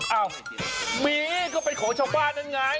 เอ้ามีก็เป็นของชาวบ้านนั่นไง